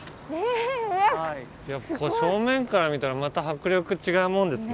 いやここ正面から見たらまた迫力違うもんですね。